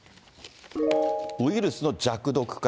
ウイルスの弱毒化。